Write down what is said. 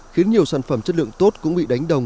khiến nhiều sản phẩm chất lượng tốt cũng bị đánh đồng